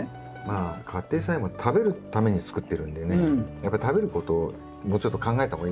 まあ家庭菜園も食べるために作ってるんでねやっぱり食べることをもうちょっと考えた方がいいですよね。